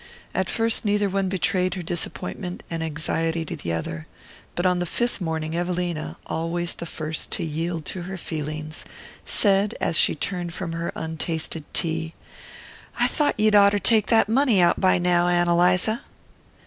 At first neither one betrayed her disappointment and anxiety to the other; but on the fifth morning Evelina, always the first to yield to her feelings, said, as she turned from her untasted tea: "I thought you'd oughter take that money out by now, Ann Eliza."